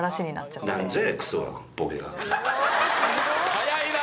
早いな！